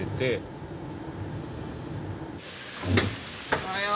おはよう。